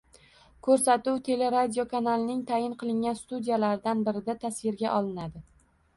Ko‘rsatuv teleradiokanalning tayin qilingan studiyalaridan birida tasvirga olinadi.